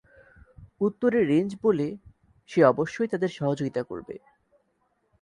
উত্তরে রেঞ্জ বলে সে অবশ্যই তাদের সহযোগীতা করবে।